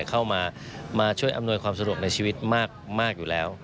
เข้ามาช่วยอำนวยความสะดวกในชีวิตมากอยู่แล้ว